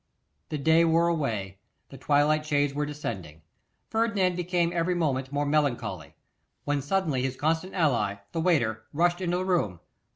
The day wore away, the twilight shades were descending; Ferdinand became every moment more melancholy, when suddenly his constant ally, the waiter, rushed into the room.